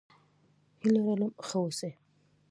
هيله لرم ښه اوسې!